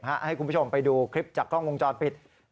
ให้คุณผู้ชมไปดูคลิปจากกล้องวงจรปิด